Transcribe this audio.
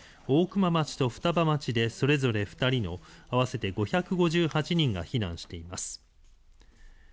大隅町と双葉町でそれぞれ２人の、合わせて５５８人が避難しています。